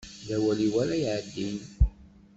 D awal-iw ara iɛeddin